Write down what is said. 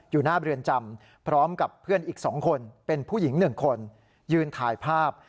อยู่หน้าเรือนจำพร้อมกับเพื่อนอีก๒คนเป็นผู้หญิง๑คนยืนถ่ายภาพ